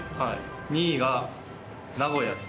２位が名古屋です。